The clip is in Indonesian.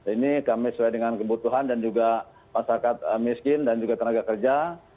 ini kami sesuai dengan kebutuhan dan juga masyarakat miskin dan juga tenaga kerja